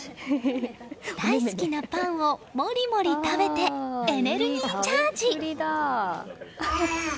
大好きなパンをモリモリ食べてエネルギーチャージ！